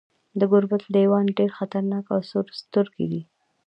د ګوربت لیوان ډیر خطرناک او سورسترګي دي.